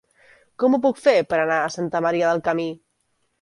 Com ho puc fer per anar a Santa Maria del Camí?